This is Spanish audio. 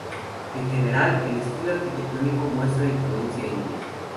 En general, el estilo arquitectónico muestra influencia india.